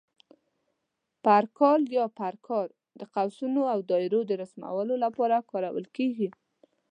پر کال یا پر کار د قوسونو او دایرو د رسمولو لپاره کارول کېږي.